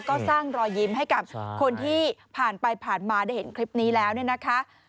ก็สร้างรอยยิ้มให้กับคนที่ผ่านไปผ่านมาได้เห็นคลิปนี้แล้วเนี่ยนะคะ